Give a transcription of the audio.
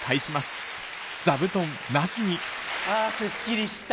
あすっきりした。